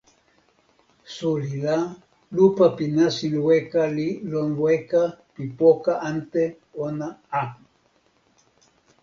suli la, lupa pi nasin weka li lon weka pi poka ante ona a!